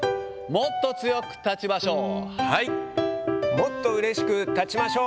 もっと早く立ちましょう。